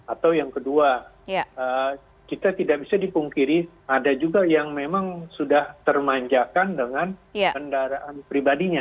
atau yang kedua kita tidak bisa dipungkiri ada juga yang memang sudah termanjakan dengan kendaraan pribadinya